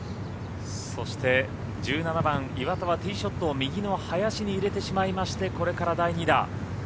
そして１７番、岩田はティーショットを右の林に入れてしまいましてこれから第２打。